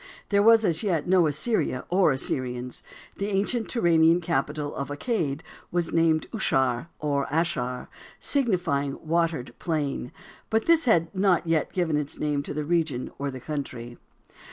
There was as yet no Assyria or Assyrians. The ancient Turanian capital of Accad was named Aushar or Asshar, signifying "watered plain," but this had not yet given its name to the region or country.